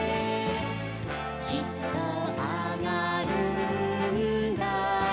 「きっとあがるんだ」